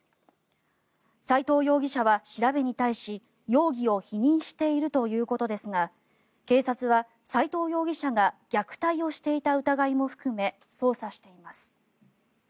斉藤容疑者は調べに対し、容疑を否認しているということですが警察は斉藤容疑者が虐待をしていた疑いも含め捜査しています。